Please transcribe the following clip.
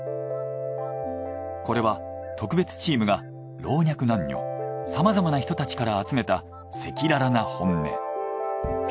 これは特別チームが老若男女さまざまな人たちから集めた赤裸々な本音。